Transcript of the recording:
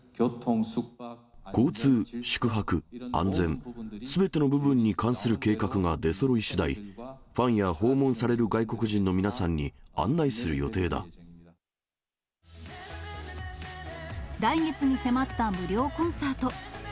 交通、宿泊、安全、すべての部分に関する計画が出そろいしだい、ファンや訪問される来月に迫った無料コンサート。